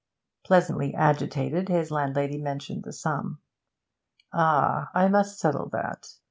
Pleasantly agitated, his landlady mentioned the sum. 'Ah! I must settle that.